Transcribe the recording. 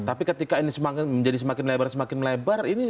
tapi ketika ini semakin menjadi semakin lebar semakin melebar